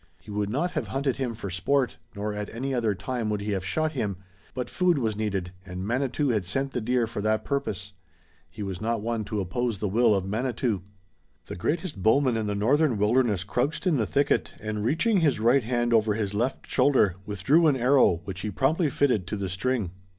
He would not have hunted him for sport, nor at any other time would he have shot him, but food was needed and Manitou had sent the deer for that purpose. He was not one to oppose the will of Manitou. The greatest bowman in the Northern wilderness crouched in the thicket, and reaching his right hand over his left shoulder, withdrew an arrow, which he promptly fitted to the string.